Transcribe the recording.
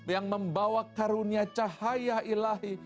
yang membawa karunia cahaya ilahi